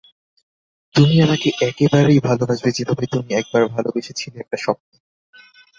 তুমি আমাকে একেবারেই ভালবাসবে যেভাবে তুমি একবার ভালবেসেছিলে একটা স্বপ্নে।